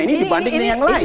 ini dibandingkan yang lain